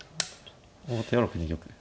王手は６二玉。